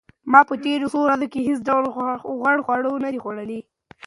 ما په تېرو څو ورځو کې هیڅ ډول غوړ خواړه نه دي خوړلي.